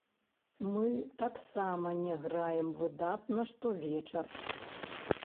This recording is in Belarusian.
Мы таксама не граем выдатна штовечар.